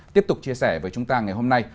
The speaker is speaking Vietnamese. tiếp tục chia sẻ với chúng ta ngày hôm nay